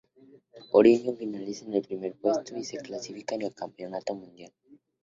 Origen finaliza en primer puesto y se califica al campeonato mundial.